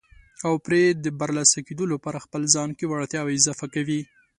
او پرې د برلاسه کېدو لپاره خپل ځان کې وړتیاوې اضافه کوي.